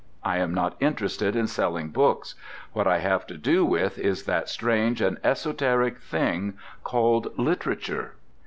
I am not interested in selling books: what I have to do with is that strange and esoteric thing called literature."